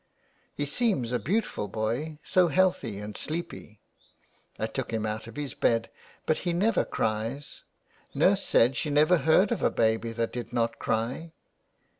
" He seems a beautiful boy, so healthy and sleepy." " I took him out of his bed but he never cries. Nurse said she never heard of a baby that did not cry.